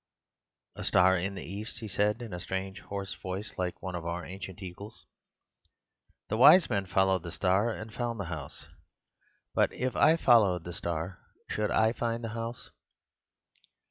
"'A star in the east,' he said in a strange hoarse voice like one of our ancient eagles'. 'The wise men followed the star and found the house. But if I followed the star, should I find the house?